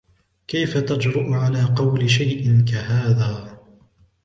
كيف تجرء على قول شيءٍ كهذا ؟